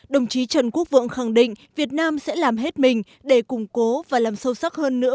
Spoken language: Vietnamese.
đồng chí trần quốc vượng khẳng định việt nam sẽ làm hết mình để củng cố và làm sâu sắc hơn nữa